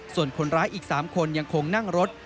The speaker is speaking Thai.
ส่วนคนร้ายอีก๓คนยังคงนั่งรถ